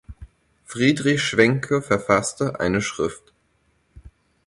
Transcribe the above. Friedrich Schwenke verfasste eine Schrift